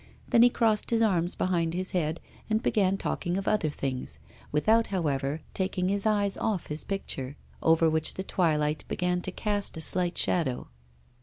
Then he crossed his arms behind his head, and began talking of other things, without, however, taking his eyes off his picture, over which the twilight began to cast a slight shadow.